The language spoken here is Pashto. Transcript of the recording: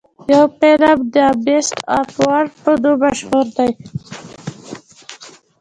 يو فلم The Beast of War په نوم مشهور دے.